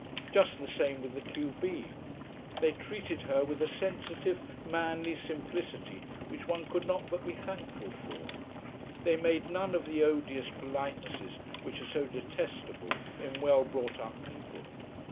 Just the same with the q b. They treated her with a sensitive, manly simplicity, which one could not but be thankful for. They made none of the odious politenesses which are so detestable in well brought up people.